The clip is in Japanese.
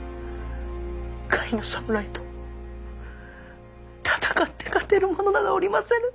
甲斐の侍と戦って勝てる者などおりませぬ！